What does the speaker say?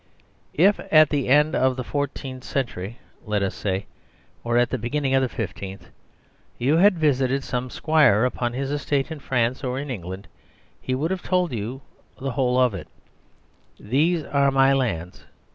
If at the end of the fourteenth century, let us say, or at the beginning of the fifteenth, you had visited some Squire upon his estate in France or in England, he would have told you of the whole of it, " These are my lands."